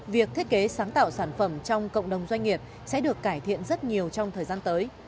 việc thiết kế sáng tạo sản phẩm trong cộng đồng doanh nghiệp sẽ được cải thiện rất nhiều trong thời gian tới